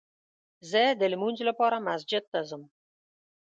زه دلمونځ لپاره مسجد ته ځم